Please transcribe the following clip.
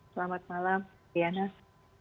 selamat malam tiana